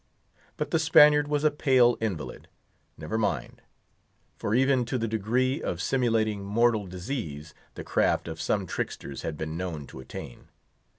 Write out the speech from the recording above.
But the Spaniard was a pale invalid. Never mind. For even to the degree of simulating mortal disease, the craft of some tricksters had been known to attain.